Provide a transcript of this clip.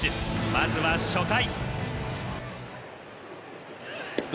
まずは初回。